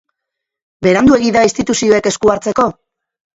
Beranduegi da instituzioek esku hartzeko?